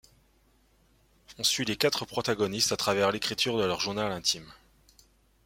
On suit les quatre protagonistes à travers l'écriture de leur journal intime.